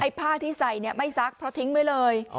ไอ้ผ้าที่ใส่เนี้ยไม่ซักเพราะทิ้งไว้เลยอ๋อ